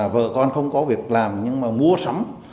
vợ con không có việc làm nhưng mà mua sắm